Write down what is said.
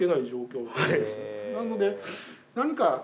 なので何か。